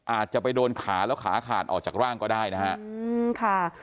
อาจจะไปโดนขาแล้วขาขาดออกจากร่างก็ได้นะฮะอืมค่ะ